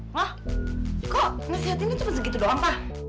ma kok nasihat ini cuma segitu doang pak